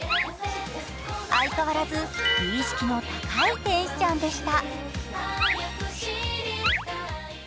相変わらず美意識の高い天使ちゃんでした。